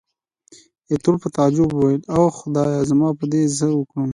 ایټور په تعجب وویل، اوه خدایه! زه به په دې څه وکړم.